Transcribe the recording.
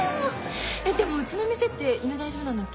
でもうちの店って犬大丈夫なんだっけ？